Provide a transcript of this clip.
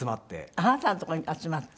あなたのとこに集まって？